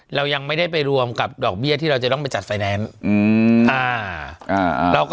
เรายังไม่ได้ไปรวมกับดอกเบี้ยที่เราจะต้องไปจัดไฟแนนซ์